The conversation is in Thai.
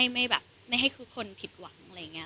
ไม่แบบไม่ให้ทุกคนผิดหวังอะไรอย่างนี้